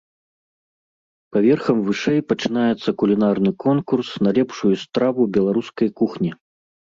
Паверхам вышэй пачынаецца кулінарны конкурс на лепшую страву беларускай кухні.